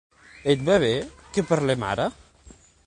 Et va bé, que parlem ara?